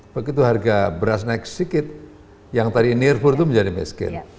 begitu harga beras naik sedikit yang tadi nirpur itu menjadi miskin